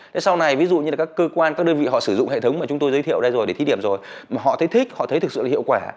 thế sau này ví dụ như là các cơ quan các đơn vị họ sử dụng hệ thống mà chúng tôi giới thiệu ra rồi để thí điểm rồi mà họ thấy thích họ thấy thực sự là hiệu quả